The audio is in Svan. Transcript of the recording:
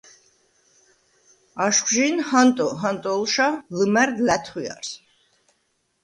აშხვჟი̄ნ ჰანტო ჰანტო̄ლშა ლჷმა̈რდ ლა̈თხვიარს.